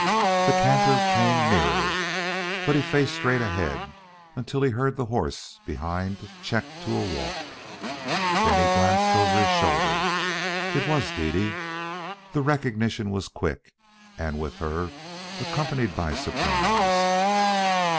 The canter came nearer, but he faced straight ahead until he heard the horse behind check to a walk. Then he glanced over his shoulder. It was Dede. The recognition was quick, and, with her, accompanied by surprise.